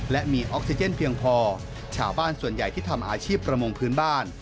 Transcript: และมีออกซิเจนเพียงพอชาวบ้านส่วนใหญ่ที่ทำอาชีพประมงพื้นบ้าน